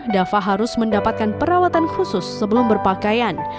dava harus mendapatkan perawatan khusus sebelum berpakaian